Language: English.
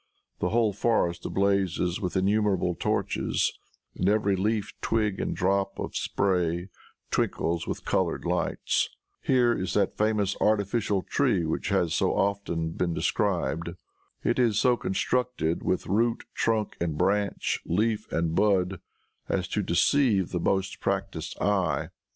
The whole forest blazes with innumerable torches, and every leaf, twig and drop of spray twinkles with colored lights. Here is that famous artificial tree which has so often been described. It is so constructed with root, trunk and branch, leaf and bud as to deceive the most practiced eye.